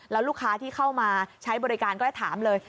แล้วลูกค้าที่เข้ามาใช้บริการก็จะถามเลย